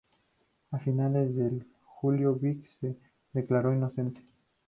A finales de julio Vick se declaró inocente.